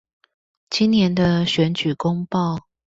今年的選舉公報